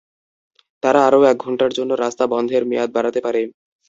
তারা আরও এক ঘন্টার জন্য রাস্তা বন্ধের মেয়াদ বাড়াতে পারে।